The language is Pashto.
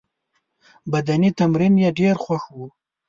بدني تمرین یې ډېر خوښ وو.